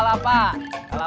pantai pantai pantai